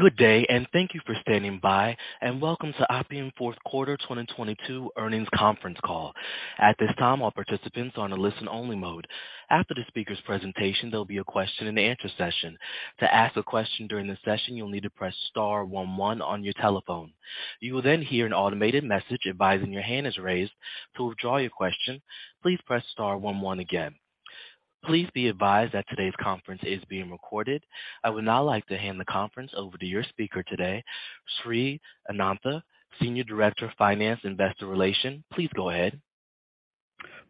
Good day, thank you for standing by, welcome to Appian Q4 2022 earnings conference call. At this time, all participants are on a listen only mode. After the speaker's presentation, there'll be a question and answer session. To ask a question during the session, you'll need to press star one one on your telephone. You will hear an automated message advising your hand is raised. To withdraw your question, please press star one one again. Please be advised that today's conference is being recorded. I would now like to hand the conference over to your speaker today, Srinivas Anantha, Senior Director of Finance, Investor Relations. Please go ahead.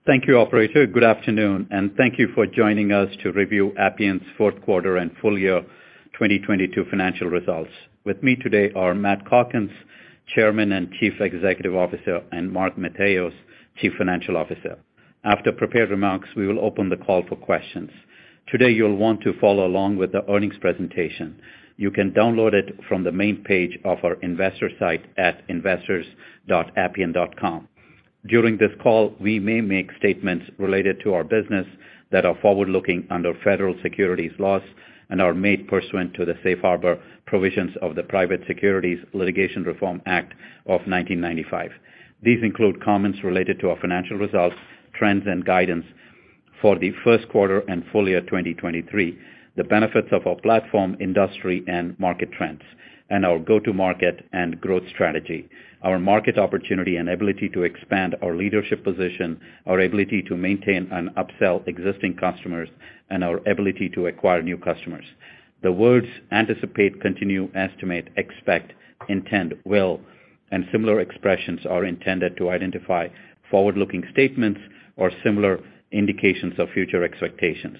Thank you, operator. Good afternoon, thank you for joining us to review Appian's Q4 and full year 2022 financial results. With me today are Matt Calkins, Chairman and Chief Executive Officer, and Mark Matheos, Chief Financial Officer. After prepared remarks, we will open the call for questions. Today, you'll want to follow along with the earnings presentation. You can download it from the main page of our investor site at investors.appian.com. During this call, we may make statements related to our business that are forward-looking under Federal Securities laws and are made pursuant to the safe harbor provisions of the Private Securities Litigation Reform Act of 1995. These include comments related to our financial results, trends, and guidance for the Q1 and full year 2023, the benefits of our platform, industry, and market trends, and our go-to-market and growth strategy, our market opportunity and ability to expand our leadership position, our ability to maintain and upsell existing customers, and our ability to acquire new customers. The words anticipate, continue, estimate, expect, intend, will, and similar expressions are intended to identify forward-looking statements or similar indications of future expectations.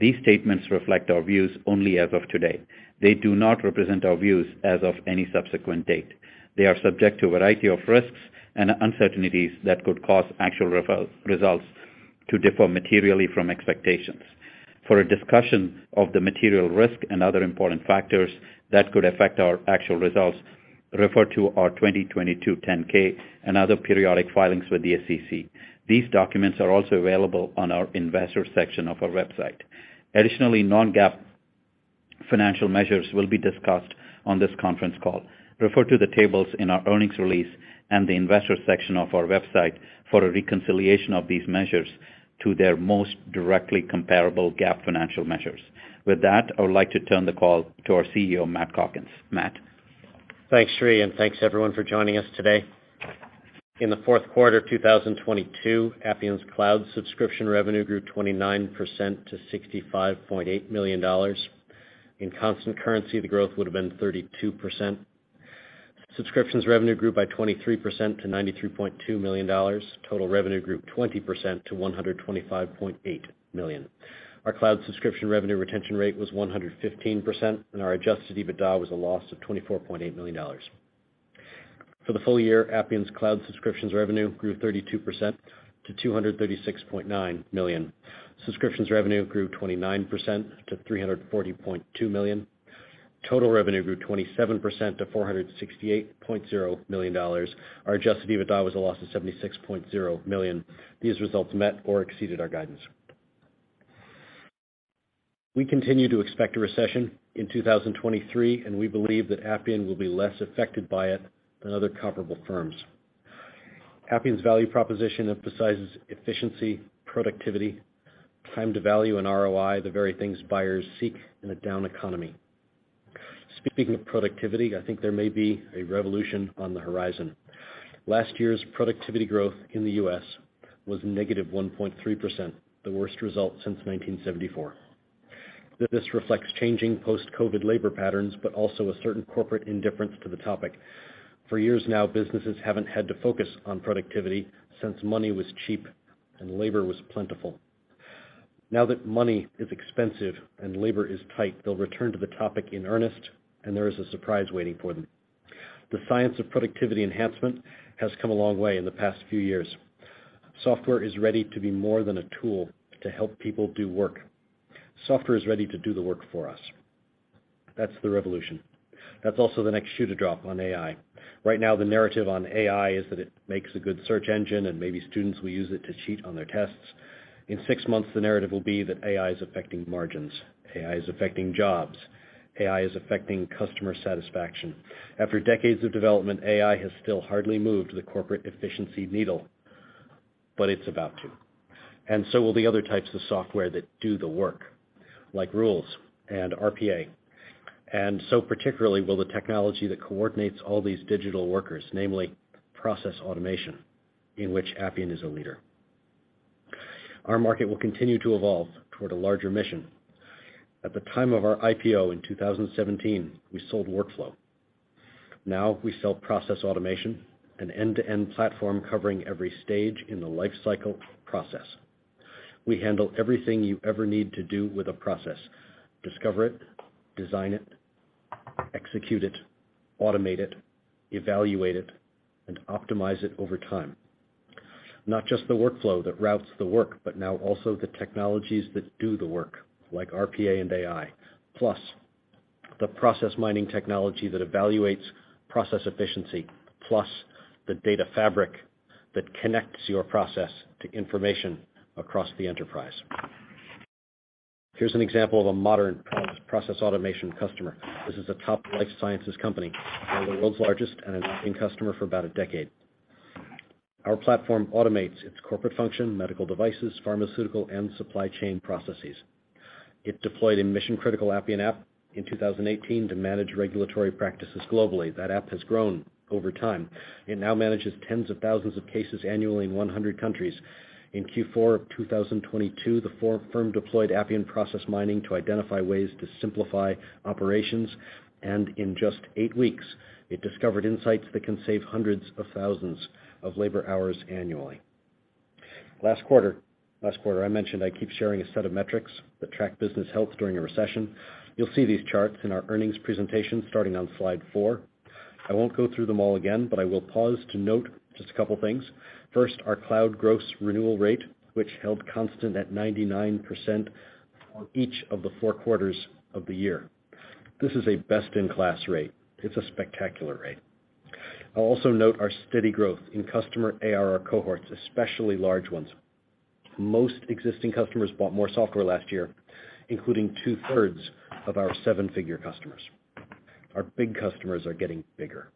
These statements reflect our views only as of today. They do not represent our views as of any subsequent date. They are subject to a variety of risks and uncertainties that could cause actual results to differ materially from expectations. For a discussion of the material risk and other important factors that could affect our actual results, refer to our 2022 10-K and other periodic filings with the SEC. These documents are also available on our investor section of our website. Non-GAAP financial measures will be discussed on this conference call. Refer to the tables in our earnings release and the investor section of our website for a reconciliation of these measures to their most directly comparable GAAP financial measures. With that, I would like to turn the call to our CEO, Matt Calkins. Matt. Thanks, Sri. Thanks everyone for joining us today. In the Q4 of 2022, Appian's cloud subscription revenue grew 29% to $65.8 million. In constant currency, the growth would have been 32%. Subscriptions revenue grew by 23% to $93.2 million. Total revenue grew 20% to $125.8 million. Our cloud subscription revenue retention rate was 115%, and our adjusted EBITDA was a loss of $24.8 million. For the full year, Appian's cloud subscriptions revenue grew 32% to $236.9 million. Subscriptions revenue grew 29% to $340.2 million. Total revenue grew 27% to $468.0 million. Our adjusted EBITDA was a loss of $76.0 million. These results met or exceeded our guidance. We continue to expect a recession in 2023, and we believe that Appian will be less affected by it than other comparable firms. Appian's value proposition emphasizes efficiency, productivity, time to value, and ROI, the very things buyers seek in a down economy. Speaking of productivity, I think there may be a revolution on the horizon. Last year's productivity growth in the U.S. was negative 1.3%, the worst result since 1974. This reflects changing post-COVID labor patterns, but also a certain corporate indifference to the topic. For years now, businesses haven't had to focus on productivity since money was cheap and labor was plentiful. Now that money is expensive and labor is tight, they'll return to the topic in earnest and there is a surprise waiting for them. The science of productivity enhancement has come a long way in the past few years. Software is ready to be more than a tool to help people do work. Software is ready to do the work for us. That's the revolution. That's also the next shoe to drop on AI. Right now, the narrative on AI is that it makes a good search engine and maybe students will use it to cheat on their tests. In 6 months, the narrative will be that AI is affecting margins, AI is affecting jobs, AI is affecting customer satisfaction. After decades of development, AI has still hardly moved the corporate efficiency needle, but it's about to. So will the other types of software that do the work, like Rules and RPA. So particularly will the technology that coordinates all these digital workers, namely Process Automation, in which Appian is a leader. Our market will continue to evolve toward a larger mission. At the time of our IPO in 2017, we sold workflow. Now we sell Process Automation, an end-to-end platform covering every stage in the lifecycle of process. We handle everything you ever need to do with a process, discover it, design it, execute it, automate it, evaluate it, and optimize it over time. Not just the workflow that routes the work, but now also the technologies that do the work, like RPA and AI, plus the Process Mining technology that evaluates process efficiency, plus the Data Fabric that connects your process to information across the enterprise. Here's an example of a modern Process Automation customer. This is a top life sciences company, one of the world's largest, and an Appian customer for about a decade. Our platform automates its corporate function, medical devices, pharmaceutical, and supply chain processes. It deployed a mission-critical Appian app in 2018 to manage regulatory practices globally. That app has grown over time. It now manages tens of thousands of cases annually in 100 countries. In Q4 of 2022, the firm deployed Appian Process Mining to identify ways to simplify operations. In just 8 weeks, it discovered insights that can save hundreds of thousands of labor hours annually. Last quarter, I mentioned I keep sharing a set of metrics that track business health during a recession. You'll see these charts in our earnings presentation starting on slide 4. I won't go through them all again, but I will pause to note just a couple things. First, our cloud gross renewal rate, which held constant at 99% for each of the 4 quarters of the year. This is a best-in-class rate. It's a spectacular rate. I'll also note our steady growth in customer ARR cohorts, especially large ones. Most existing customers bought more software last year, including two-thirds of our 7-figure customers. Our big customers are getting bigger.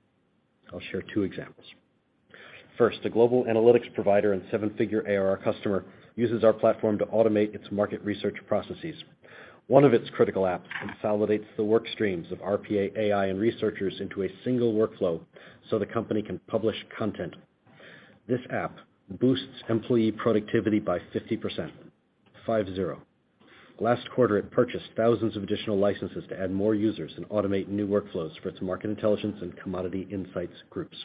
I'll share 2 examples. First, a global analytics provider and 7-figure ARR customer uses our platform to automate its market research processes. 1 of its critical apps consolidates the work streams of RPA, AI, and researchers into a single workflow so the company can publish content. This app boosts employee productivity by 50%, five zero. Last quarter, it purchased thousands of additional licenses to add more users and automate new workflows for its market intelligence and commodity insights groups.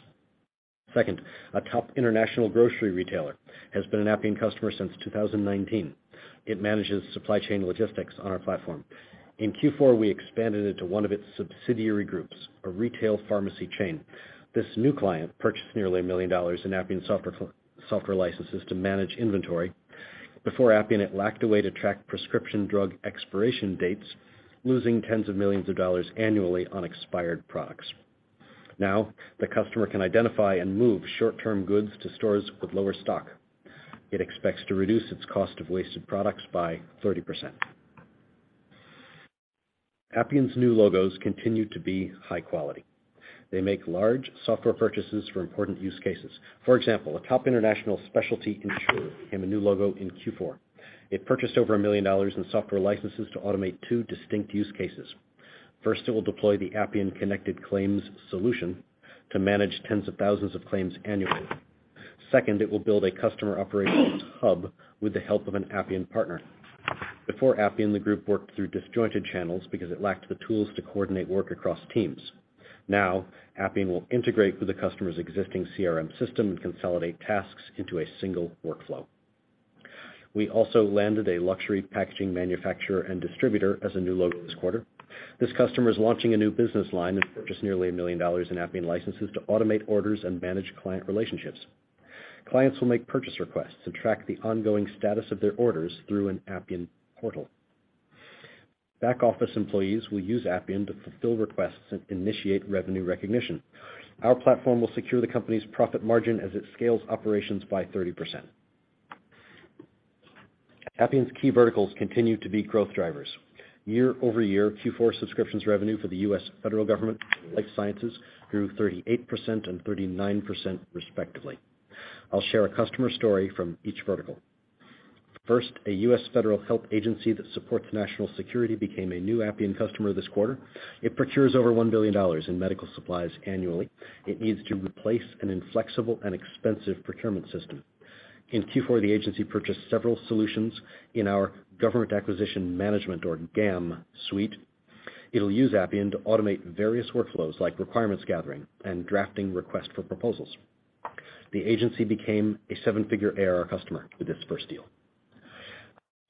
Second, a top international grocery retailer has been an Appian customer since 2019. It manages supply chain logistics on our platform. In Q4, we expanded into one of its subsidiary groups, a retail pharmacy chain. This new client purchased nearly $1 million in Appian software licenses to manage inventory. Before Appian, it lacked a way to track prescription drug expiration dates, losing tens of millions of dollars annually on expired products. Now, the customer can identify and move short-term goods to stores with lower stock. It expects to reduce its cost of wasted products by 30%. Appian's new logos continue to be high quality. They make large software purchases for important use cases. For example, a top international specialty insurer became a new logo in Q4. It purchased over $1 million in software licenses to automate two distinct use cases. First, it will deploy the Appian Connected Claims solution to manage tens of thousands of claims annually. Second, it will build a customer operational hub with the help of an Appian partner. Before Appian, the group worked through disjointed channels because it lacked the tools to coordinate work across teams. Now, Appian will integrate with the customer's existing CRM system and consolidate tasks into a single workflow. We also landed a luxury packaging manufacturer and distributor as a new logo this quarter. This customer is launching a new business line and purchased nearly $1 million in Appian licenses to automate orders and manage client relationships. Clients will make purchase requests and track the ongoing status of their orders through an Appian portal. Back-office employees will use Appian to fulfill requests and initiate revenue recognition. Our platform will secure the company's profit margin as it scales operations by 30%. Appian's key verticals continue to be growth drivers. Year-over-year, Q4 subscriptions revenue for the U.S. federal government and life sciences grew 38% and 39% respectively. I'll share a customer story from each vertical. First, a U.S. federal health agency that supports national security became a new Appian customer this quarter. It procures over $1 billion in medical supplies annually. It needs to replace an inflexible and expensive procurement system. In Q4, the agency purchased several solutions in our Government Acquisition Management or GAM suite. It'll use Appian to automate various workflows like requirements gathering and drafting request for proposals. The agency became a seven-figure ARR customer with its first deal.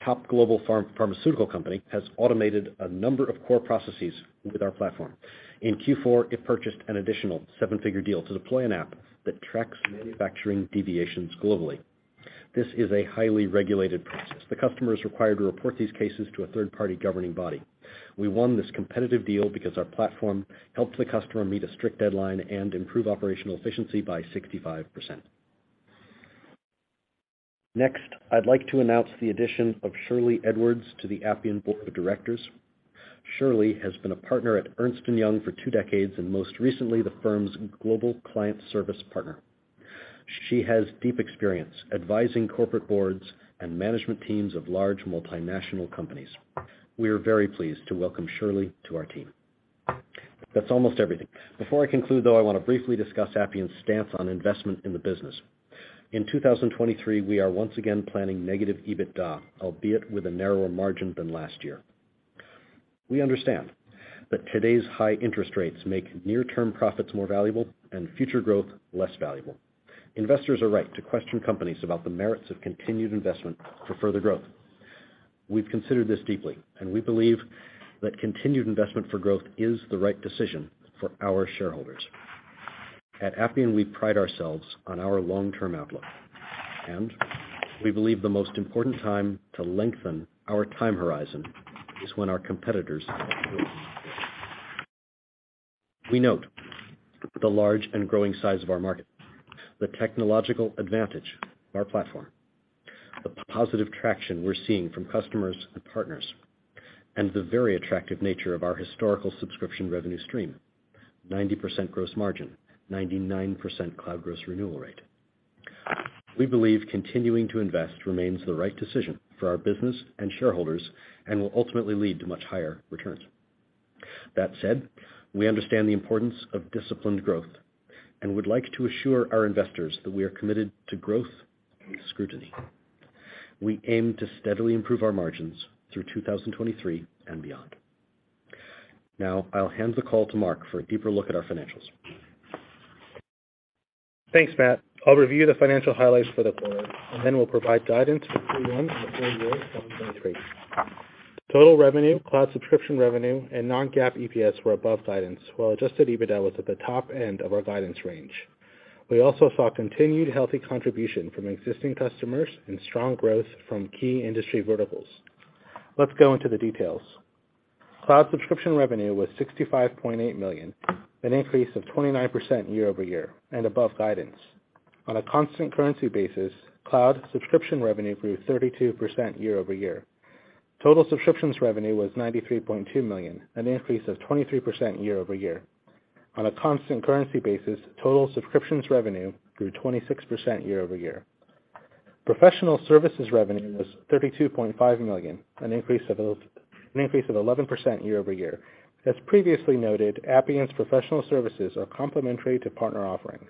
Top global pharmaceutical company has automated a number of core processes with our platform. In Q4, it purchased an additional seven-figure deal to deploy an app that tracks manufacturing deviations globally. This is a highly regulated process. The customer is required to report these cases to a third-party governing body. We won this competitive deal because our platform helped the customer meet a strict deadline and improve operational efficiency by 65%. I'd like to announce the addition of Shirley Edwards to the Appian board of directors. Shirley has been a partner at Ernst & Young for two decades and most recently the firm's global client service partner. She has deep experience advising corporate boards and management teams of large multinational companies. We are very pleased to welcome Shirley to our team. That's almost everything. Before I conclude, though, I want to briefly discuss Appian's stance on investment in the business. In 2023, we are once again planning negative EBITDA, albeit with a narrower margin than last year. We understand that today's high interest rates make near-term profits more valuable and future growth less valuable. Investors are right to question companies about the merits of continued investment for further growth. We've considered this deeply, and we believe that continued investment for growth is the right decision for our shareholders. At Appian, we pride ourselves on our long-term outlook, and we believe the most important time to lengthen our time horizon is when our competitors. We note the large and growing size of our market, the technological advantage of our platform, the positive traction we're seeing from customers and partners, and the very attractive nature of our historical subscription revenue stream, 90% gross margin, 99% cloud gross renewal rate. We believe continuing to invest remains the right decision for our business and shareholders and will ultimately lead to much higher returns. That said, we understand the importance of disciplined growth and would like to assure our investors that we are committed to growth and scrutiny. We aim to steadily improve our margins through 2023 and beyond. Now, I'll hand the call to Mark for a deeper look at our financials. Thanks, Matt. I'll review the financial highlights for the quarter. We'll provide guidance for Q1 and the full year of 2023. Total revenue, cloud subscription revenue, and non-GAAP EPS were above guidance, while adjusted EBITDA was at the top end of our guidance range. We also saw continued healthy contribution from existing customers and strong growth from key industry verticals. Let's go into the details. Cloud subscription revenue was $65.8 million, an increase of 29% year-over-year and above guidance. On a constant currency basis, cloud subscription revenue grew 32% year-over-year. Total subscriptions revenue was $93.2 million, an increase of 23% year-over-year. On a constant currency basis, total subscriptions revenue grew 26% year-over-year. Professional services revenue was $32.5 million, an increase of 11% year-over-year. As previously noted, Appian's professional services are complementary to partner offerings.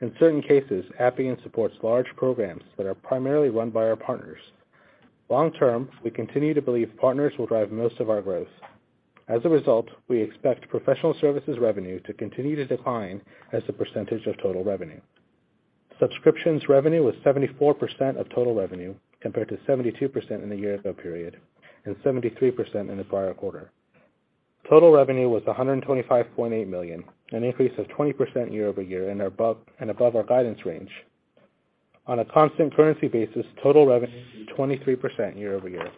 In certain cases, Appian supports large programs that are primarily run by our partners. Long term, we continue to believe partners will drive most of our growth. As a result, we expect professional services revenue to continue to decline as a percentage of total revenue. Subscriptions revenue was 74% of total revenue, compared to 72% in the year-ago period and 73% in the prior quarter. Total revenue was $125.8 million, an increase of 20% year-over-year and above our guidance range. On a constant currency basis, total revenue grew 23% year-over-year.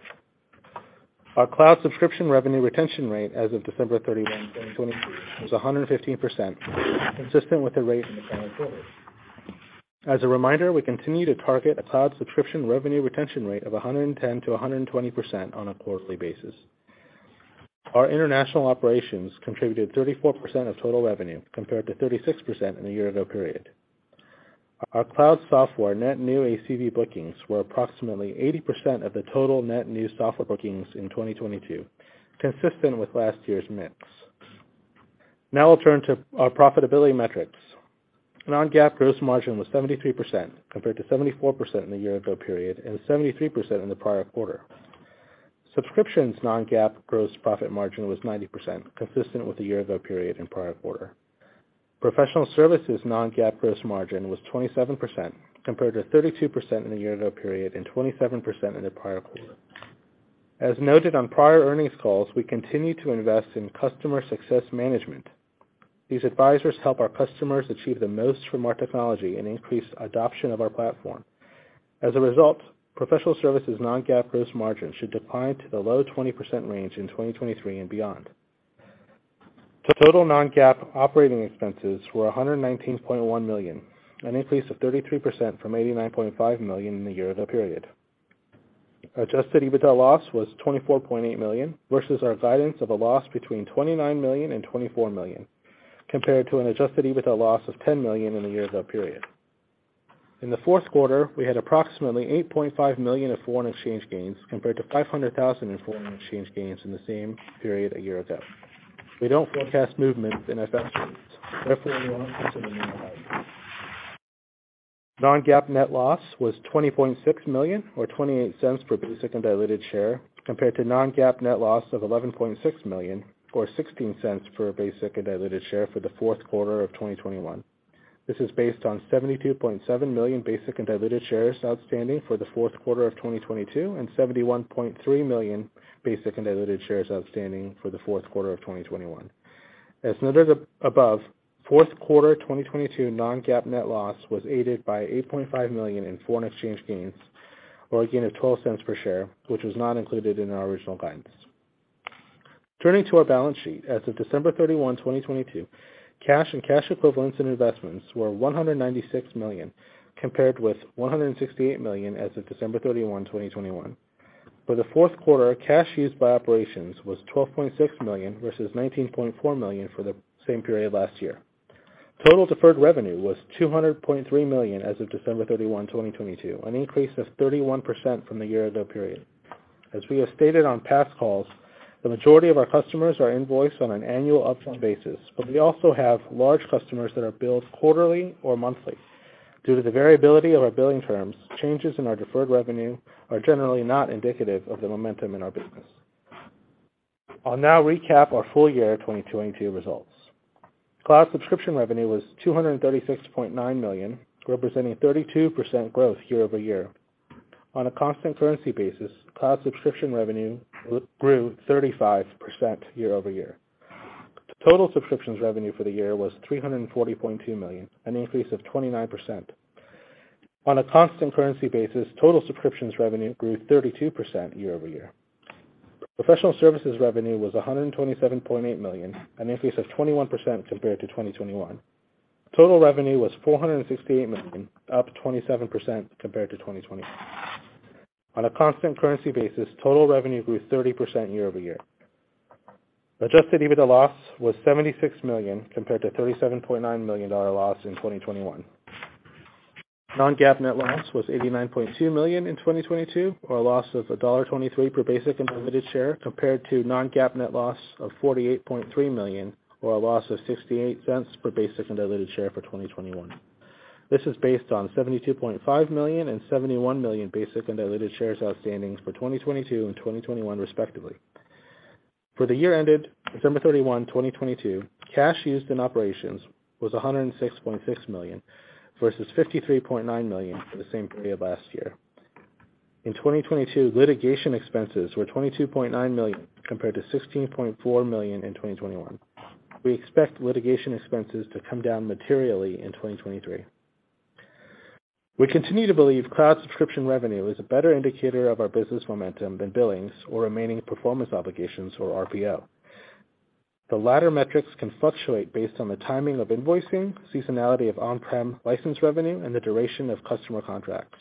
Our cloud subscription revenue retention rate as of December 31, 2022 was 115%, consistent with the rate in the current quarter. As a reminder, we continue to target a cloud subscription revenue retention rate of 110%-120% on a quarterly basis. Our international operations contributed 34% of total revenue, compared to 36% in the year-ago period. Our cloud software net new ACV bookings were approximately 80% of the total net new software bookings in 2022, consistent with last year's mix. We'll turn to our profitability metrics. Non-GAAP gross margin was 73%, compared to 74% in the year-ago period and 73% in the prior quarter. Subscriptions non-GAAP gross profit margin was 90%, consistent with the year-ago period and prior quarter. Professional services non-GAAP gross margin was 27%, compared to 32% in the year-ago period and 27% in the prior quarter. As noted on prior earnings calls, we continue to invest in customer success management. These advisors help our customers achieve the most from our technology and increase adoption of our platform. As a result, professional services non-GAAP gross margin should decline to the low 20% range in 2023 and beyond. Total non-GAAP operating expenses were $119.1 million, an increase of 33% from $89.5 million in the year-ago period. Adjusted EBITDA loss was $24.8 million versus our guidance of a loss between $29 million and $24 million, compared to an adjusted EBITDA loss of $10 million in the year-ago period. In the Q4, we had approximately $8.5 million of foreign exchange gains compared to $500,000 in foreign exchange gains in the same period a year ago. We don't forecast movements in FX rates. We don't consider them. Non-GAAP net loss was $20.6 million or $0.28 per basic and diluted share compared to non-GAAP net loss of $11.6 million or $0.16 per basic and diluted share for the Q4 of 2021. This is based on 72.7 million basic and diluted shares outstanding for the Q4 of 2022 and 71.3 million basic and diluted shares outstanding for the Q4 of 2021. As noted above, Q4 2022 non-GAAP net loss was aided by $8.5 million in foreign exchange gains or a gain of $0.12 per share, which was not included in our original guidance. Turning to our balance sheet. As of December 31, 2022, cash and cash equivalents and investments were $196 million, compared with $168 million as of December 31, 2021. For the Q4, cash used by operations was $12.6 million versus $19.4 million for the same period last year. Total deferred revenue was $200.3 million as of December 31, 2022, an increase of 31% from the year-ago period. As we have stated on past calls, the majority of our customers are invoiced on an annual upfront basis, but we also have large customers that are billed quarterly or monthly. Due to the variability of our billing terms, changes in our deferred revenue are generally not indicative of the momentum in our business. I'll now recap our full year 2022 results. Cloud subscription revenue was $236.9 million, representing 32% growth year-over-year. On a constant currency basis, cloud subscription revenue grew 35% year-over-year. Total subscriptions revenue for the year was $340.2 million, an increase of 29%. On a constant currency basis, total subscriptions revenue grew 32% year-over-year. Professional services revenue was $127.8 million, an increase of 21% compared to 2021. Total revenue was $468 million, up 27% compared to 2020. On a constant currency basis, total revenue grew 30% year-over-year. Adjusted EBITDA loss was $76 million compared to $37.9 million loss in 2021. non-GAAP net loss was $89.2 million in 2022, or a loss of $1.23 per basic and limited share compared to non-GAAP net loss of $48.3 million or a loss of $0.68 per basic and diluted share for 2021. This is based on 72.5 million and 71 million basic and diluted shares outstanding's for 2022 and 2021 respectively. For the year ended December 31, 2022, cash used in operations was $106.6 million versus $53.9 million for the same period last year. In 2022, litigation expenses were $22.9 million compared to $16.4 million in 2021. We expect litigation expenses to come down materially in 2023. We continue to believe cloud subscription revenue is a better indicator of our business momentum than billings or remaining performance obligations or RPO. The latter metrics can fluctuate based on the timing of invoicing, seasonality of on-prem license revenue, and the duration of customer contracts.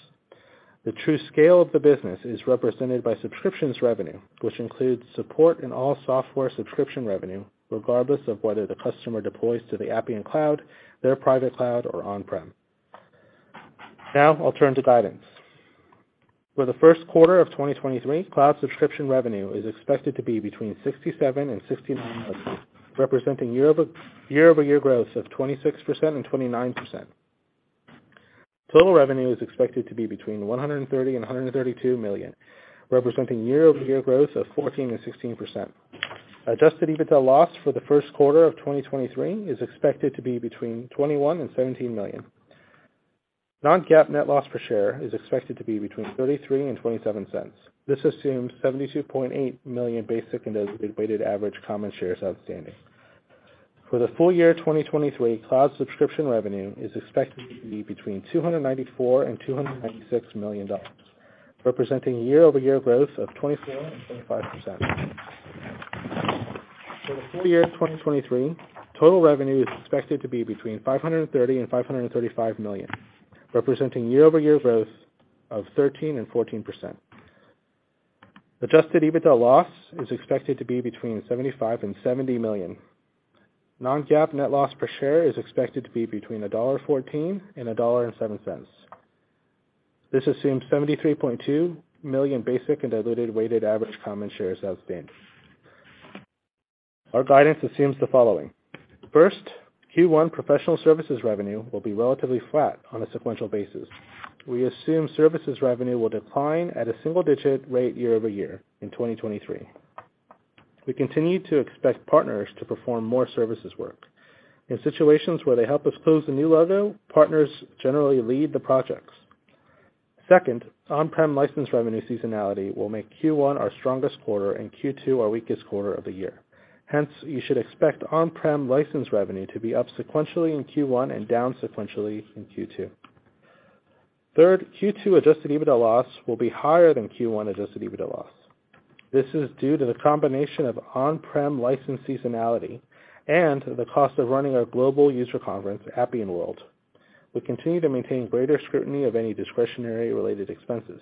The true scale of the business is represented by subscriptions revenue, which includes support in all software subscription revenue, regardless of whether the customer deploys to the Appian Cloud, their private cloud, or on-prem. Now I'll turn to guidance. For the Q1 of 2023, cloud subscription revenue is expected to be between $67 million and $69 million, representing year-over-year growth of 26% and 29%. Total revenue is expected to be between $130 million and $132 million, representing year-over-year growth of 14%-16%. Adjusted EBITDA loss for the Q1 of 2023 is expected to be between $21 million and $17 million. Non-GAAP net loss per share is expected to be between $0.33 and $0.27. This assumes 72.8 million basic and dedicated weighted average common shares outstanding. For the full year 2023, cloud subscription revenue is expected to be between $294 million and $296 million, representing year-over-year growth of 24%-25%. For the full year 2023, total revenue is expected to be between $530 million and $535 million, representing year-over-year growth of 13% and 14%. Adjusted EBITDA loss is expected to be between $75 million and $70 million. Non-GAAP net loss per share is expected to be between $1.14 and $1.07. This assumes 73.2 million basic and diluted weighted average common shares outstanding. Our guidance assumes the following. First, Q1 professional services revenue will be relatively flat on a sequential basis. We assume services revenue will decline at a single digit rate year-over-year in 2023. We continue to expect partners to perform more services work. In situations where they help us close a new logo, partners generally lead the projects. Second, on-prem license revenue seasonality will make Q1 our strongest quarter and Q2 our weakest quarter of the year. Hence, you should expect on-prem license revenue to be up sequentially in Q1 and down sequentially in Q2. Third, Q2 adjusted EBITDA loss will be higher than Q1 adjusted EBITDA loss. This is due to the combination of on-prem license seasonality and the cost of running our global user conference, Appian World. We continue to maintain greater scrutiny of any discretionary related expenses.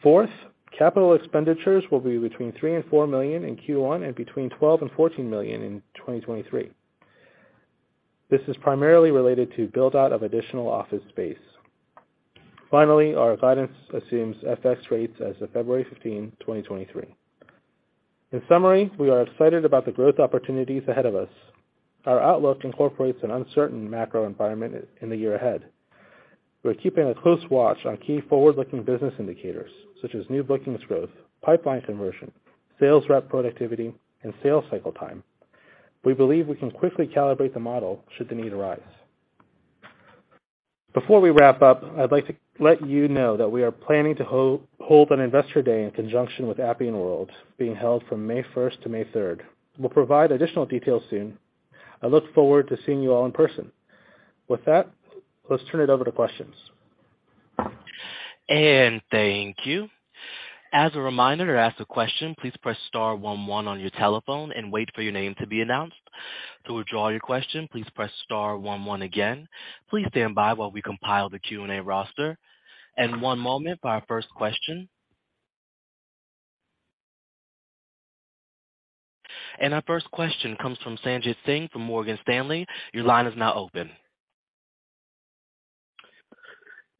Fourth, capital expenditures will be between $3 million and $4 million in Q1 and between $12 million and $14 million in 2023. This is primarily related to build out of additional office space. Finally, our guidance assumes FX rates as of February 15, 2023. In summary, we are excited about the growth opportunities ahead of us. Our outlook incorporates an uncertain macro environment in the year ahead. We're keeping a close watch on key forward-looking business indicators, such as new bookings growth, pipeline conversion, sales rep productivity, and sales cycle time. We believe we can quickly calibrate the model should the need arise. Before we wrap up, I'd like to let you know that we are planning to hold an investor day in conjunction with Appian World being held from May first to May third. We'll provide additional details soon. I look forward to seeing you all in person. With that, let's turn it over to questions. Thank you. As a reminder, to ask a question, please press star one one on your telephone and wait for your name to be announced. To withdraw your question, please press star one one again. Please stand by while we compile the Q&A roster. One moment for our first question. Our first question comes from Sanjit Singh from Morgan Stanley. Your line is now open.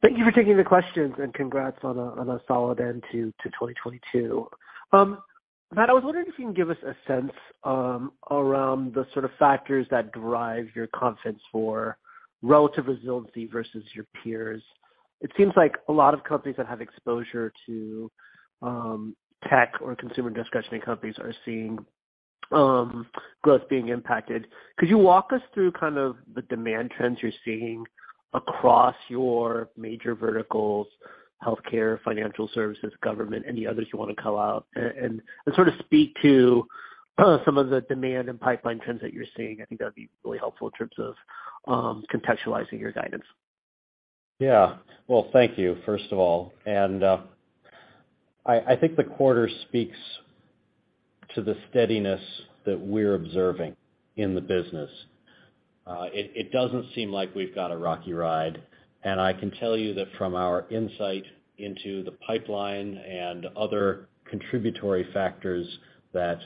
Thank you for taking the questions and congrats on a solid end to 2022. Matt, I was wondering if you can give us a sense around the sort of factors that drive your confidence for relative resiliency versus your peers. It seems like a lot of companies that have exposure to tech or consumer discretionary companies are seeing growth being impacted. Could you walk us through kind of the demand trends you're seeing across your major verticals? Healthcare, financial services, government, any others you want to call out, and sort of speak to some of the demand and pipeline trends that you're seeing. I think that'd be really helpful in terms of contextualizing your guidance. Well, thank you, first of all. I think the quarter speaks to the steadiness that we're observing in the business. It doesn't seem like we've got a rocky ride. I can tell you that from our insight into the pipeline and other contributory factors that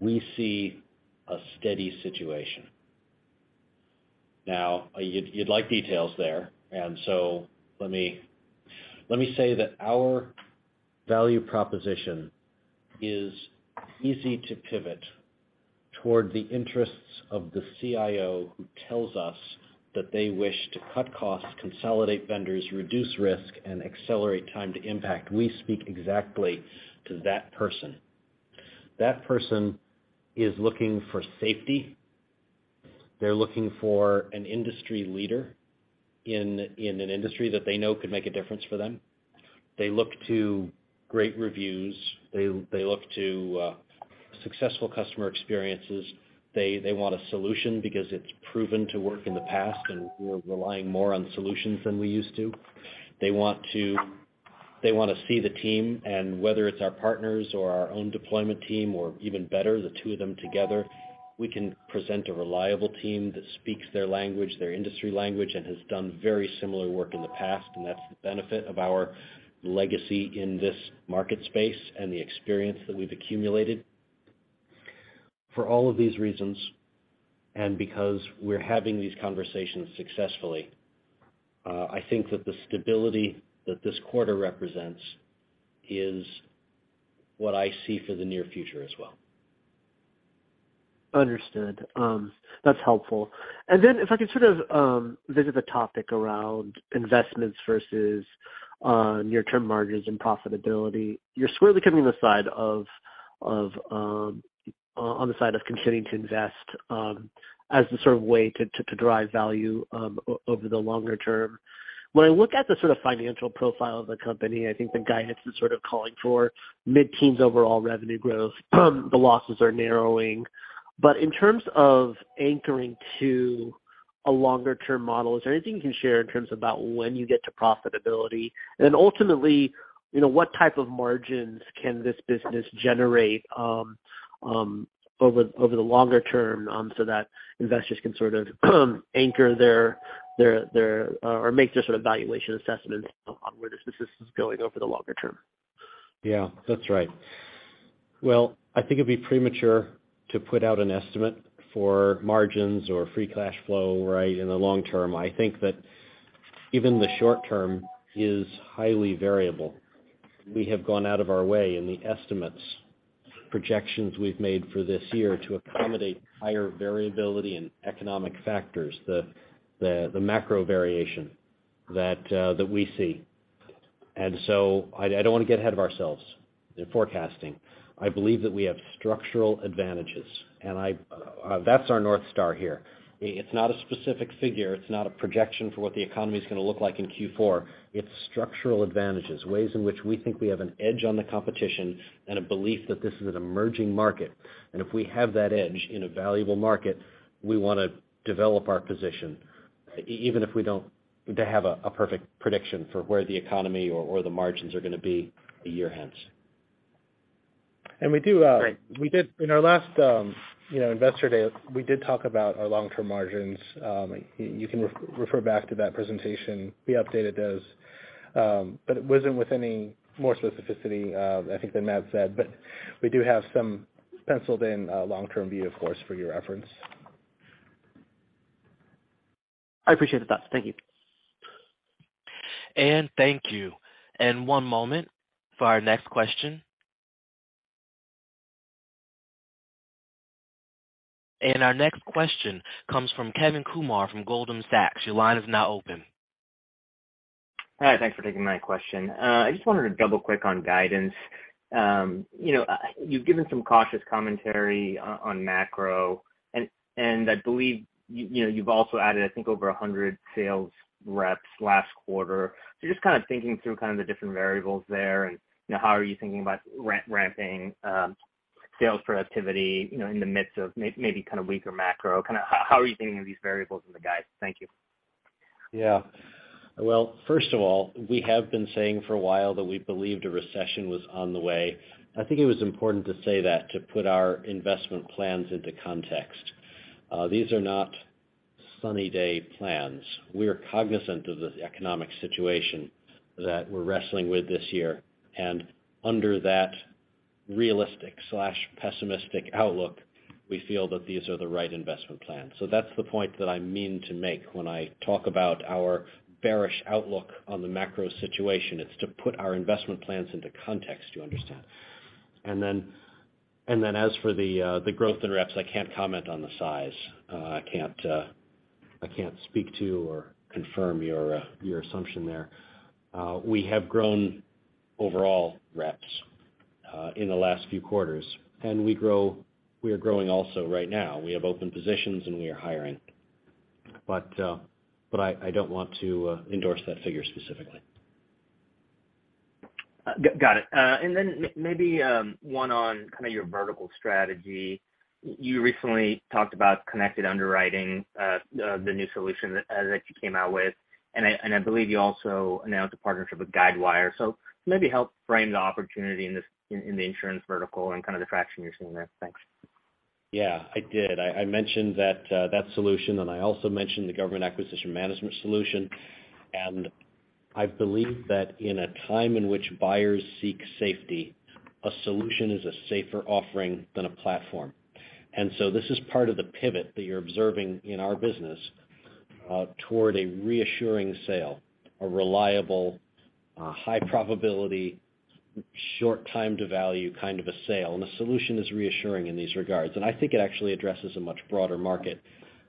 we see a steady situation. Now, you'd like details there. Let me say that our value proposition is easy to pivot toward the interests of the CIO who tells us that they wish to cut costs, consolidate vendors, reduce risk, and accelerate time to impact. We speak exactly to that person. That person is looking for safety. They're looking for an industry leader in an industry that they know could make a difference for them. They look to great reviews. They look to successful customer experiences. They want a solution because it's proven to work in the past, and we're relying more on solutions than we used to. They wanna see the team, and whether it's our partners or our own deployment team, or even better, the two of them together, we can present a reliable team that speaks their language, their industry language, and has done very similar work in the past, and that's the benefit of our legacy in this market space and the experience that we've accumulated. For all of these reasons, and because we're having these conversations successfully, I think that the stability that this quarter represents is what I see for the near future as well. Understood. That's helpful. Then if I could sort of visit the topic around investments versus near-term margins and profitability. You're squarely coming in the side of on the side of continuing to invest as the sort of way to drive value over the longer term. When I look at the sort of financial profile of the company, I think the guidance is sort of calling for mid-teens overall revenue growth. The losses are narrowing. In terms of anchoring to a longer-term model, is there anything you can share in terms about when you get to profitability? Ultimately, you know, what type of margins can this business generate, over the longer term, so that investors can sort of anchor their, or make their sort of valuation assessment on where this business is going over the longer term? Yeah, that's right. Well, I think it'd be premature to put out an estimate for margins or free cash flow, right, in the long term. I think that even the short term is highly variable. We have gone out of our way in the estimates, projections we've made for this year to accommodate higher variability and economic factors, the macro variation that we see. I don't wanna get ahead of ourselves in forecasting. I believe that we have structural advantages. That's our North Star here. It's not a specific figure, it's not a projection for what the economy is gonna look like in Q4. It's structural advantages, ways in which we think we have an edge on the competition and a belief that this is an emerging market. If we have that edge in a valuable market, we wanna develop our position even if we don't have a perfect prediction for where the economy or the margins are gonna be a year hence. In our last, you know, Investor Day, we did talk about our long-term margins. You can refer back to that presentation. We updated those, but it wasn't with any more specificity, I think, than Matt said. We do have some penciled in, long-term view, of course, for your reference. I appreciate the thoughts. Thank you. Thank you. One moment for our next question. Our next question comes from Kevin Kumar from Goldman Sachs. Your line is now open. Hi, thanks for taking my question. I just wanted to double-click on guidance. You know, you've given some cautious commentary on macro, and I believe, you know, you've also added, I think, over 100 sales reps last quarter. Just kind of thinking through kind of the different variables there and, you know, how are you thinking about ramping sales productivity, you know, in the midst of maybe kind of weaker macro? How are you thinking of these variables in the guide? Thank you. Yeah. Well, first of all, we have been saying for a while that we believed a recession was on the way. I think it was important to say that to put our investment plans into context. These are not sunny day plans. We are cognizant of the economic situation that we're wrestling with this year. Under that realistic/pessimistic outlook, we feel that these are the right investment plans. That's the point that I mean to make when I talk about our bearish outlook on the macro situation. It's to put our investment plans into context, you understand. As for the growth in reps, I can't comment on the size. I can't, I can't speak to or confirm your assumption there. We have grown overall reps in the last few quarters, and we are growing also right now. We have open positions, and we are hiring. I don't want to endorse that figure specifically. got it. Then maybe one on your vertical strategy. You recently talked about Connected Underwriting, the new solution that you came out with, and I believe you also announced a partnership with Guidewire. Maybe help frame the opportunity in this, in the insurance vertical and kind of the traction you're seeing there. Thanks. Yeah, I did. I mentioned that solution, I also mentioned the government acquisition management solution. I believe that in a time in which buyers seek safety, a solution is a safer offering than a platform. This is part of the pivot that you're observing in our business toward a reassuring sale, a reliable, high probability, short time to value kind of a sale. The solution is reassuring in these regards. I think it actually addresses a much broader market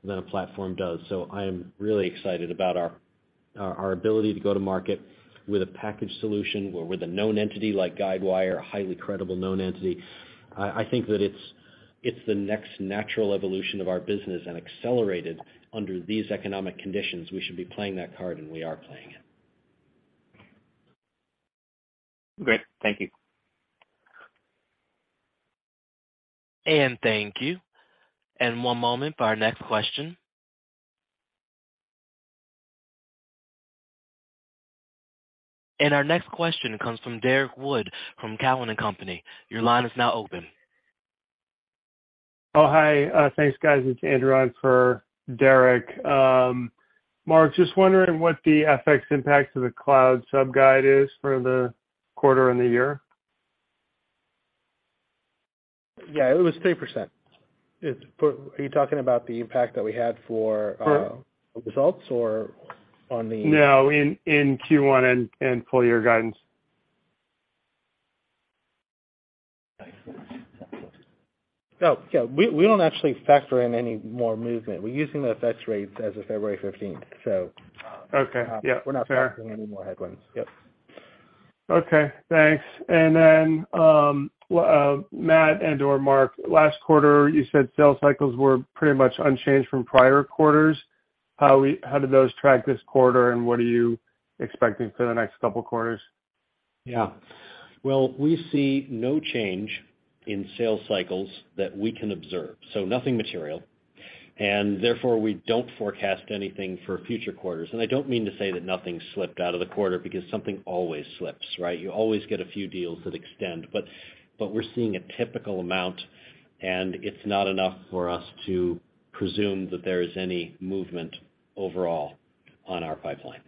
than a platform does. I am really excited about our ability to go to market with a packaged solution or with a known entity like Guidewire, a highly credible known entity. I think that it's the next natural evolution of our business and accelerated under these economic conditions. We should be playing that card, and we are playing it. Great. Thank you. Thank you. One moment for our next question. Our next question comes from Derrick Wood from Cowen and Company. Your line is now open. Oh, hi. Thanks, guys. It's Andrew on for Derrick. Mark, just wondering what the FX impact to the cloud sub guide is for the quarter and the year. Yeah, it was 3%. Are you talking about the impact that we had for? Sure -results or on the- No, in Q1 and full year guidance. Oh, yeah, we don't actually factor in any more movement. We're using the FX rates as of February 15th. Okay. Yeah. Fair. we're not factoring any more headwinds. Yep. Okay, thanks. Matt and or Mark, last quarter, you said sales cycles were pretty much unchanged from prior quarters. How did those track this quarter, and what are you expecting for the next couple quarters? Yeah. Well, we see no change in sales cycles that we can observe, so nothing material. Therefore, we don't forecast anything for future quarters. I don't mean to say that nothing slipped out of the quarter because something always slips, right? You always get a few deals that extend. But we're seeing a typical amount, and it's not enough for us to presume that there is any movement overall on our pipeline.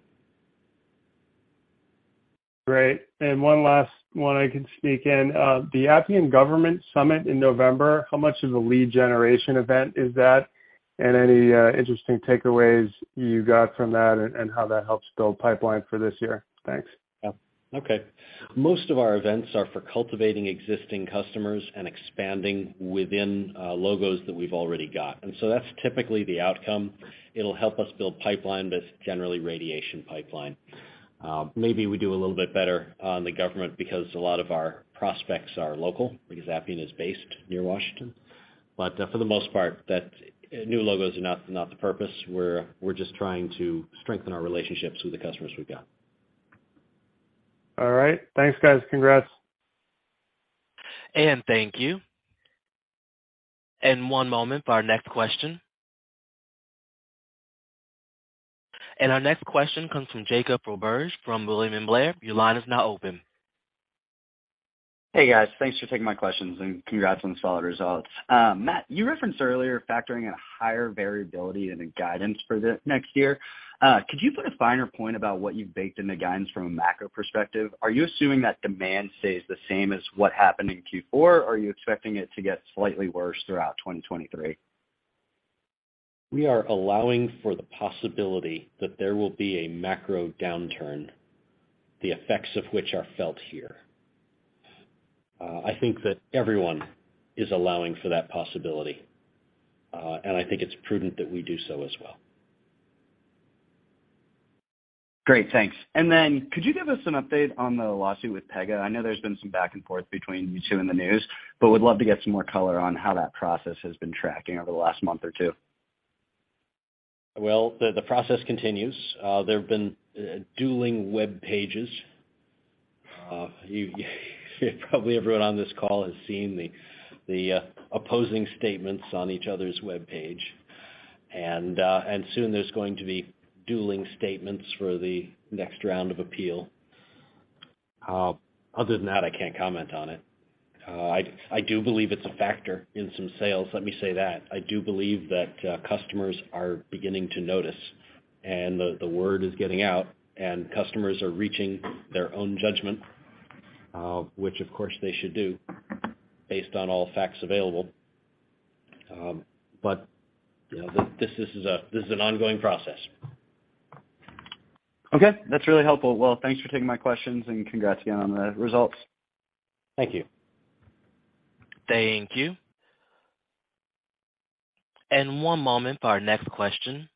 Great. One last one I can sneak in. The Appian Government Summit in November, how much of a lead generation event is that? Any interesting takeaways you got from that and how that helps build pipeline for this year? Thanks. Yeah. Okay. Most of our events are for cultivating existing customers and expanding within logos that we've already got. That's typically the outcome. It'll help us build pipeline, but it's generally radiation pipeline. Maybe we do a little bit better on the government because a lot of our prospects are local because Appian is based near Washington. For the most part, new logos are not the purpose. We're just trying to strengthen our relationships with the customers we've got. All right. Thanks, guys. Congrats. Thank you. One moment for our next question. Our next question comes from Jake Roberge from William Blair. Your line is now open. Hey, guys. Thanks for taking my questions, and congrats on the solid results. Matt, you referenced earlier factoring in a higher variability in the guidance for the next year. Could you put a finer point about what you've baked in the guidance from a macro perspective? Are you assuming that demand stays the same as what happened in Q4, or are you expecting it to get slightly worse throughout 2023? We are allowing for the possibility that there will be a macro downturn, the effects of which are felt here. I think that everyone is allowing for that possibility, and I think it's prudent that we do so as well. Great. Thanks. Could you give us an update on the lawsuit with Pega? I know there's been some back and forth between you two in the news, would love to get some more color on how that process has been tracking over the last month or two. Well, the process continues. There have been dueling web pages. You probably everyone on this call has seen the opposing statements on each other's web page. Soon there's going to be dueling statements for the next round of appeal. Other than that, I can't comment on it. I do believe it's a factor in some sales, let me say that. I do believe that customers are beginning to notice, and the word is getting out, and customers are reaching their own judgment, which of course they should do based on all facts available. You know, this is an ongoing process. That's really helpful. Thanks for taking my questions, and congrats again on the results. Thank you. Thank you. One moment for our next question.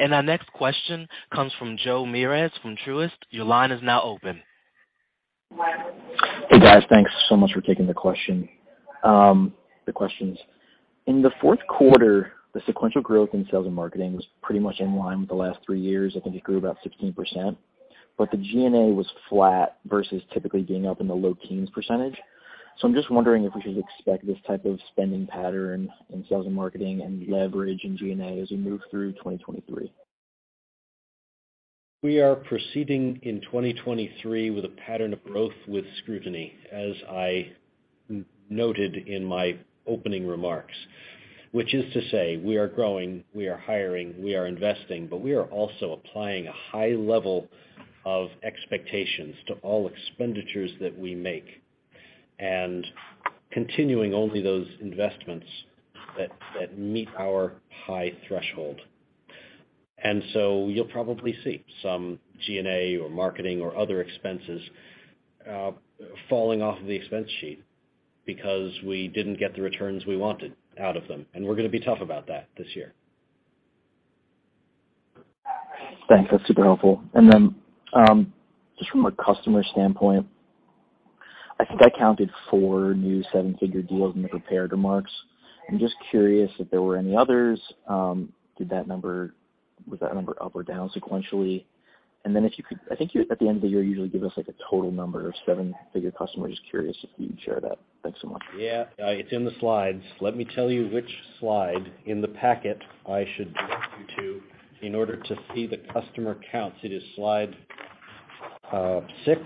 Our next question comes from Joseph Meares from Truist. Your line is now open. Hey, guys. Thanks so much for taking the questions. In the Q4, the sequential growth in sales and marketing was pretty much in line with the last 3 years. I think it grew about 16%. The G&A was flat versus typically being up in the low teens %. I'm just wondering if we should expect this type of spending pattern in sales and marketing and leverage in G&A as we move through 2023. We are proceeding in 2023 with a pattern of growth with scrutiny, as I noted in my opening remarks, which is to say we are growing, we are hiring, we are investing, we are also applying a high level of expectations to all expenditures that we make and continuing only those investments that meet our high threshold. You'll probably see some G&A or marketing or other expenses falling off of the expense sheet because we didn't get the returns we wanted out of them, and we're gonna be tough about that this year. Thanks. That's super helpful. Then, just from a customer standpoint, I think I counted four new seven-figure deals in the prepared remarks. I'm just curious if there were any others. Did that number up or down sequentially? Then if you could, I think you at the end of the year, usually give us, like, a total number of seven-figure customers. Just curious if you'd share that. Thanks so much. Yeah. It's in the slides. Let me tell you which slide in the packet I should direct you to in order to see the customer counts. It is slide 6.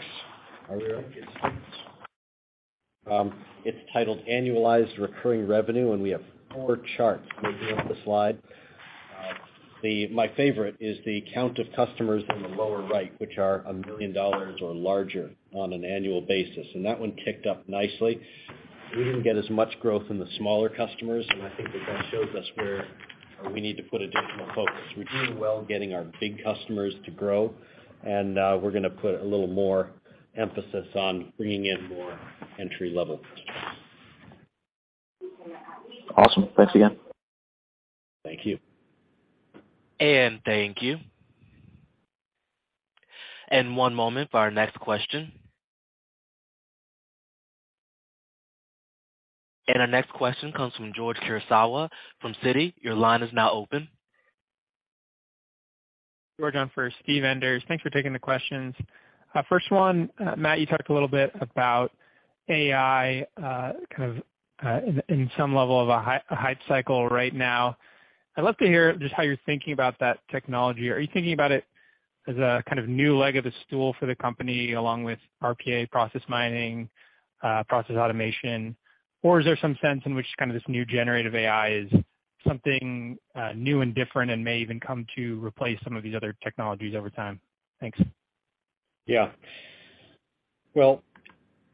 Aurelia? It's six. It's titled Annualized Recurring Revenue. We have four charts making up the slide. My favorite is the count of customers in the lower right, which are $1 million or larger on an annual basis. That one ticked up nicely. We didn't get as much growth in the smaller customers. I think that shows us where we need to put additional focus. We're doing well getting our big customers to grow. We're gonna put a little more emphasis on bringing in more entry-level customers. Awesome. Thanks again. Thank you. Thank you. One moment for our next question. Our next question comes from George Kurosawa from Citi. Your line is now open. George, on for Steven Enders. Thanks for taking the questions. First one, Matt, you talked a little bit about AI, kind of in some level of a hype cycle right now. I'd love to hear just how you're thinking about that technology. Are you thinking about it as a kind of new leg of a stool for the company, along with RPA Process Mining, Process Automation? Is there some sense in which kind of this new generative AI is something new and different and may even come to replace some of these other technologies over time? Thanks. Yeah. Well,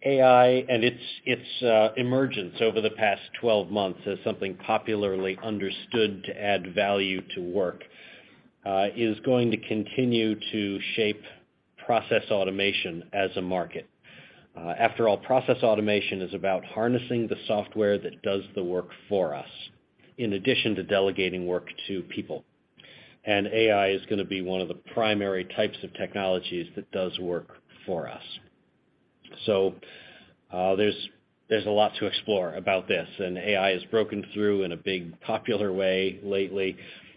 AI and its emergence over the past 12 months as something popularly understood to add value to work, is going to continue to shape process automation as a market. After all, process automation is about harnessing the software that does the work for us in addition to delegating work to people. AI is gonna be one of the primary types of technologies that does work for us. There's a lot to explore about this. AI has broken through in a big, popular way lately,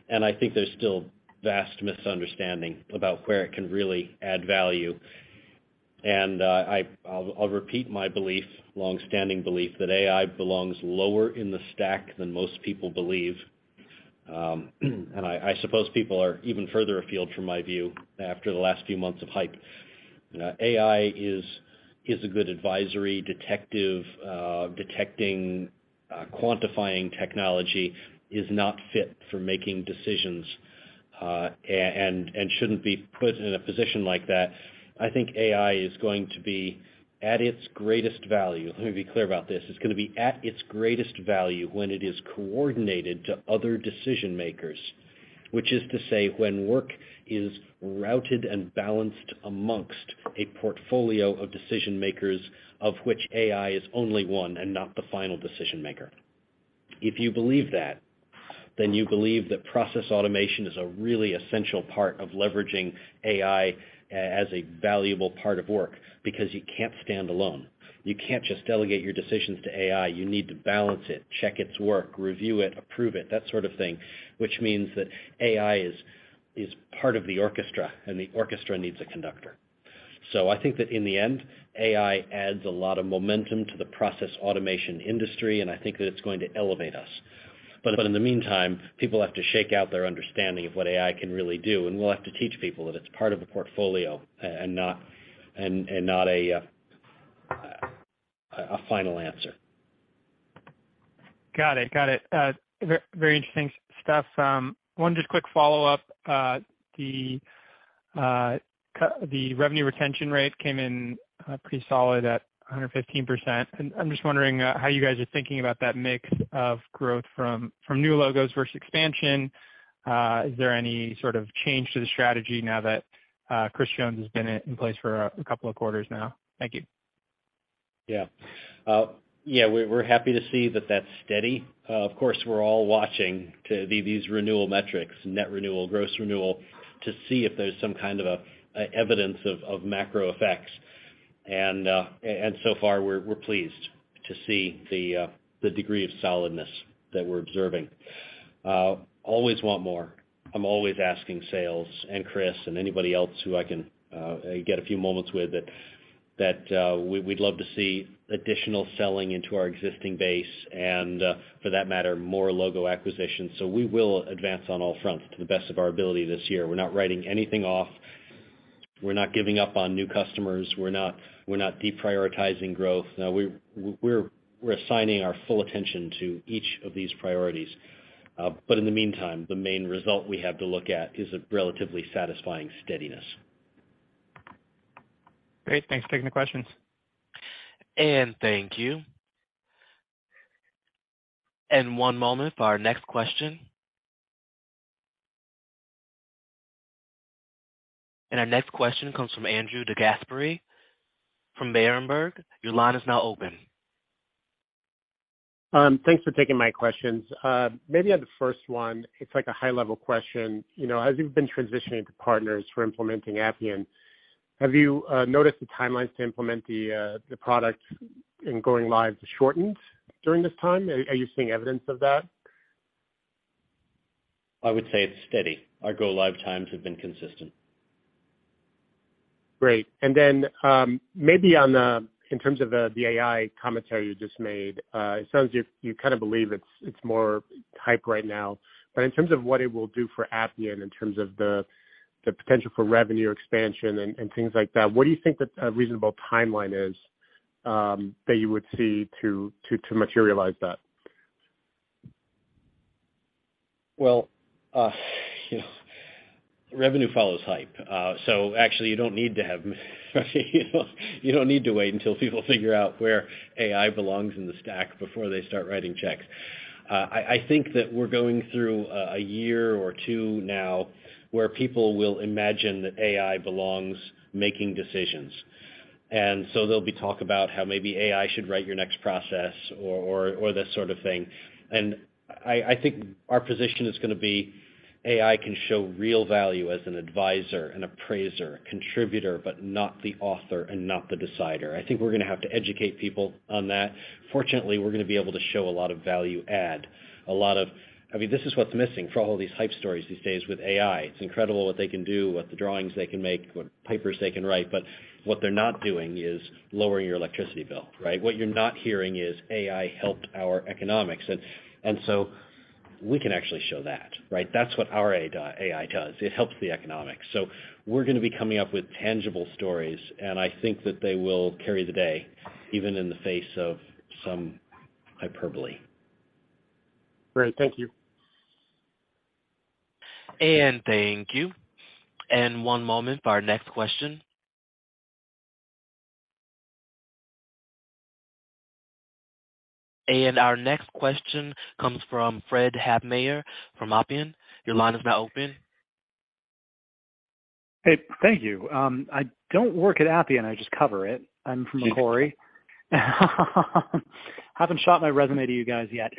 and I think there's still vast misunderstanding about where it can really add value. I'll repeat my belief, longstanding belief, that AI belongs lower in the stack than most people believe. I suppose people are even further afield from my view after the last few months of hype. AI is a good advisory detective, detecting, quantifying technology. Is not fit for making decisions, and shouldn't be put in a position like that. I think AI is going to be at its greatest value. Let me be clear about this. It's gonna be at its greatest value when it is coordinated to other decision-makers, which is to say, when work is routed and balanced amongst a portfolio of decision-makers, of which AI is only one and not the final decision-maker. If you believe that, then you believe that process automation is a really essential part of leveraging AI as a valuable part of work because you can't stand alone. You can't just delegate your decisions to AI. You need to balance it, check its work, review it, approve it, that sort of thing. Which means that AI is part of the orchestra, and the orchestra needs a conductor. I think that in the end, AI adds a lot of momentum to the Process Automation industry, and I think that it's going to elevate us. In the meantime, people have to shake out their understanding of what AI can really do, and we'll have to teach people that it's part of a portfolio and not, and not a final answer. Got it. Got it. Very interesting stuff. One just quick follow-up. The revenue retention rate came in pretty solid at 115%. I'm just wondering how you guys are thinking about that mix of growth from new logos versus expansion. Is there any sort of change to the strategy now that Christopher Jones has been in place for a couple of quarters now? Thank you. Yeah, we're happy to see that that's steady. Of course, we're all watching these renewal metrics, net renewal, gross renewal, to see if there's some kind of evidence of macro effects. So far we're pleased to see the degree of solidness that we're observing. Always want more. I'm always asking sales and Chris and anybody else who I can get a few moments with that we'd love to see additional selling into our existing base, and for that matter, more logo acquisitions. We will advance on all fronts to the best of our ability this year. We're not writing anything off. We're not giving up on new customers. We're not deprioritizing growth. No, we're assigning our full attention to each of these priorities. In the meantime, the main result we have to look at is a relatively satisfying steadiness. Great. Thanks for taking the questions. Thank you. One moment for our next question. Our next question comes from Andrew DeGasperi from Berenberg. Your line is now open. Thanks for taking my questions. Maybe on the first one, it's like a high-level question. You know, as you've been transitioning to partners for implementing Appian, have you noticed the timelines to implement the products in going live shortened during this time? Are you seeing evidence of that? I would say it's steady. Our go live times have been consistent. Great. Maybe on the, in terms of the AI commentary you just made, it sounds you kind of believe it's more hype right now. In terms of what it will do for Appian in terms of the potential for revenue expansion and things like that, what do you think a reasonable timeline is that you would see to materialize that? Well, you know, revenue follows hype. Actually, you know, you don't need to wait until people figure out where AI belongs in the stack before they start writing checks. I think that we're going through a year or two now where people will imagine that AI belongs making decisions. There'll be talk about how maybe AI should write your next process or this sort of thing. I think our position is gonna be AI can show real value as an advisor, an appraiser, a contributor, but not the author and not the decider. I think we're gonna have to educate people on that. Fortunately, we're gonna be able to show a lot of value add. I mean, this is what's missing for all these hype stories these days with AI. It's incredible what they can do, what the drawings they can make, what papers they can write, but what they're not doing is lowering your electricity bill, right? What you're not hearing is AI helped our economics. We can actually show that, right? That's what our AI does. It helps the economics. We're gonna be coming up with tangible stories, and I think that they will carry the day, even in the face of some hyperbole. Great. Thank you. Thank you. One moment for our next question. Our next question comes from Fred Havemeyer from Appian. Your line is now open. Hey, thank you. I don't work at Appian, I just cover it. I'm from Macquarie. Haven't shot my resume to you guys yet.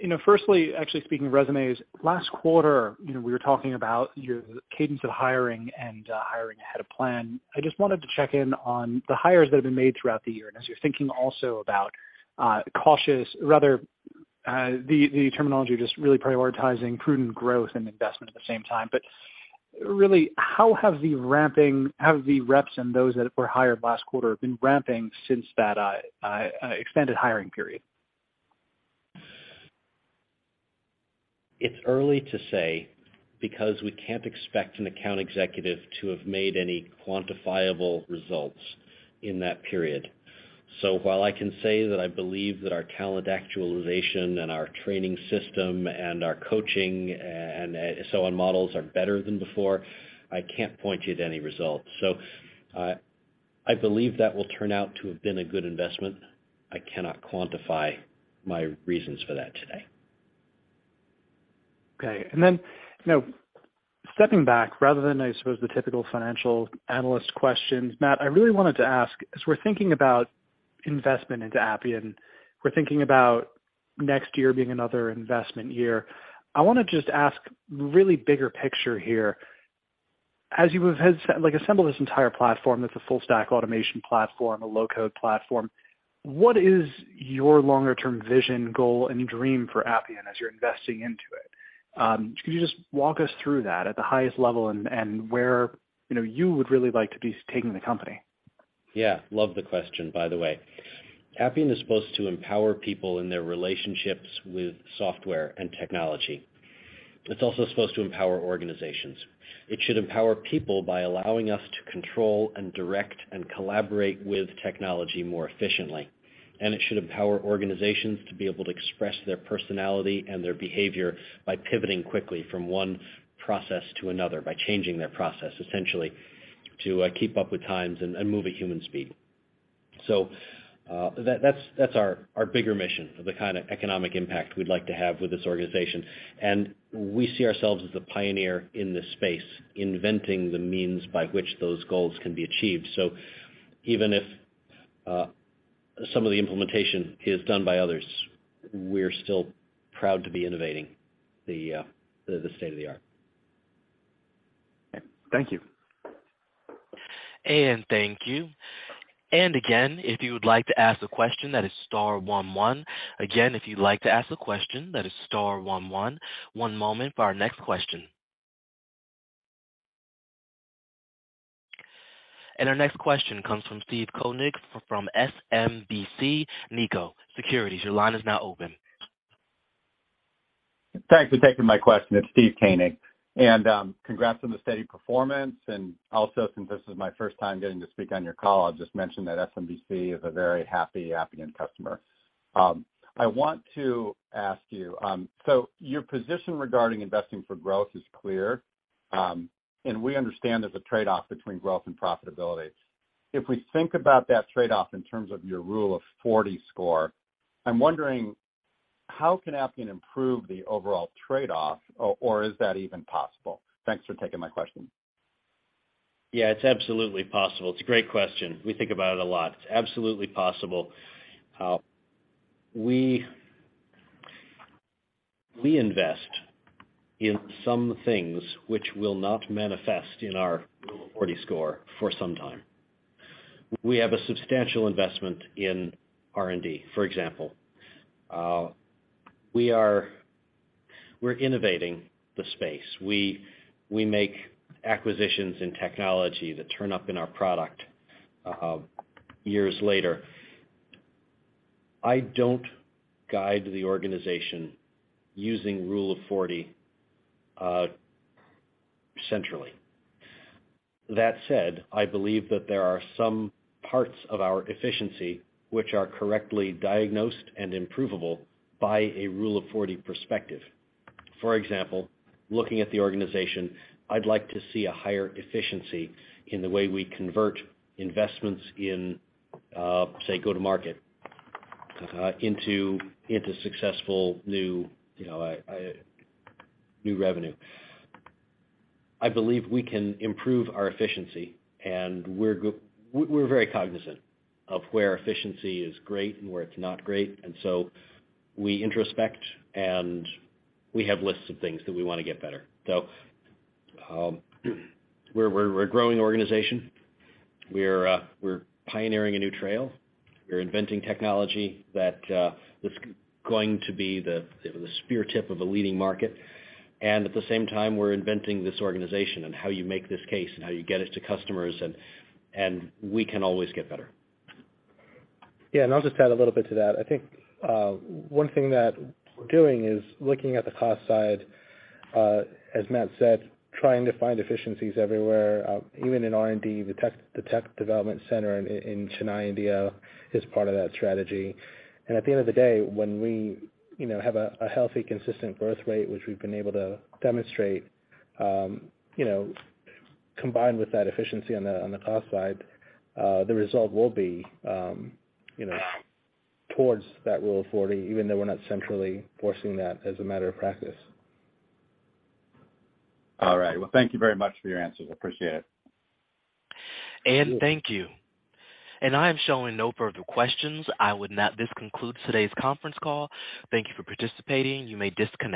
You know, firstly, actually speaking of resumes, last quarter, you know, we were talking about your cadence of hiring and, hiring ahead of plan. I just wanted to check in on the hires that have been made throughout the year, and as you're thinking also about, cautious, rather, the terminology of just really prioritizing prudent growth and investment at the same time. Really, how have the reps and those that were hired last quarter been ramping since that, extended hiring period? It's early to say because we can't expect an account executive to have made any quantifiable results in that period. While I can say that I believe that our talent actualization and our training system and our coaching and so on models are better than before, I can't point you to any results. I believe that will turn out to have been a good investment. I cannot quantify my reasons for that today. Okay. You know, stepping back rather than, I suppose, the typical financial analyst questions, Matt, I really wanted to ask, as we're thinking about investment into Appian, we're thinking about next year being another investment year. I wanna just ask really bigger picture here. As you have assembled this entire platform that's a full stack automation platform, a low-code platform, what is your longer term vision, goal, and dream for Appian as you're investing into it? Could you just walk us through that at the highest level and where, you know, you would really like to be taking the company? Yeah. Love the question, by the way. Appian is supposed to empower people in their relationships with software and technology. It's also supposed to empower organizations. It should empower people by allowing us to control and direct and collaborate with technology more efficiently. It should empower organizations to be able to express their personality and their behavior by pivoting quickly from one process to another, by changing their process, essentially, to keep up with times and move at human speed. That's our bigger mission of the kind of economic impact we'd like to have with this organization. We see ourselves as the pioneer in this space, inventing the means by which those goals can be achieved. Even if some of the implementation is done by others, we're still proud to be innovating the state of the art. Thank you. Thank you. Again, if you would like to ask a question, that is star one one. Again, if you'd like to ask a question, that is star one one. One moment for our next question. Our next question comes from Steve Koenig from SMBC Nikko Securities. Your line is now open. Thanks for taking my question. It's Steve Koenig. Congrats on the steady performance. Since this is my first time getting to speak on your call, I'll just mention that SMBC is a very happy Appian customer. I want to ask you, your position regarding investing for growth is clear. We understand there's a trade-off between growth and profitability. If we think about that trade-off in terms of your Rule of 40 score, I'm wondering how can Appian improve the overall trade-off or is that even possible? Thanks for taking my question. Yeah, it's absolutely possible. It's a great question. We think about it a lot. It's absolutely possible. We invest in some things which will not manifest in our Rule of 40 score for some time. We have a substantial investment in R&D, for example. We're innovating the space. We make acquisitions in technology that turn up in our product years later. I don't guide the organization using Rule of 40 centrally. I believe that there are some parts of our efficiency which are correctly diagnosed and improvable by a Rule of 40 perspective. Looking at the organization, I'd like to see a higher efficiency in the way we convert investments in say, go-to-market into successful new, you know, new revenue. I believe we can improve our efficiency and we're very cognizant of where efficiency is great and where it's not great. We introspect, and we have lists of things that we wanna get better. We're a growing organization. We're pioneering a new trail. We're inventing technology that that's going to be the spear tip of a leading market. At the same time, we're inventing this organization and how you make this case and how you get it to customers, and we can always get better. Yeah. I'll just add a little bit to that. I think one thing that we're doing is looking at the cost side, as Matt said, trying to find efficiencies everywhere, even in R&D. The Tech Development Center in Chennai, India, is part of that strategy. At the end of the day, when we, you know, have a healthy, consistent growth rate, which we've been able to demonstrate, you know, combined with that efficiency on the cost side, the result will be, you know, towards that Rule of 40, even though we're not centrally forcing that as a matter of practice. All right. Well, thank you very much for your answers. I appreciate it. Thank you. I am showing no further questions. This concludes today's conference call. Thank you for participating. You may disconnect.